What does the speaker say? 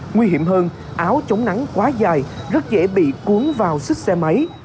nguy hiểm hơn áo chống nắng quá dài rất dễ bị cuốn vào xích xe máy